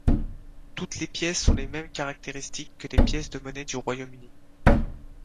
Toutes les pièces ont les mêmes caractéristiques que les pièces de monnaie du Royaume-Uni.